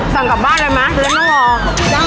สั่งกลับบ้านได้มั้ยเพื่อนต้องลอง